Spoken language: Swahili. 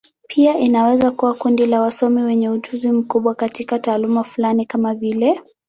Pia inaweza kuwa kundi la wasomi wenye ujuzi mkubwa katika taaluma fulani, kama vile.